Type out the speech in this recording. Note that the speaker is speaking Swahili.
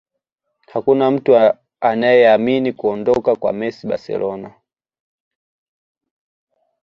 Hakuna mtu anayeamini kuondoka kwa messi barcelona